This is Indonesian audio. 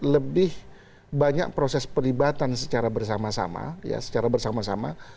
lebih banyak proses perlibatan secara bersama sama